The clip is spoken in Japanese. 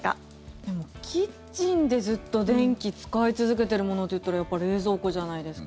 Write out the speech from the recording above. でも、キッチンでずっと電気使い続けてるものっていったらやっぱり冷蔵庫じゃないですか？